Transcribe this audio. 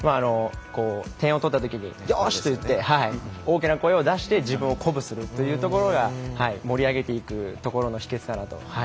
点を取ったときによしと言って大きな声を出して自分を鼓舞するというところが盛り上げていくところの秘訣だなと。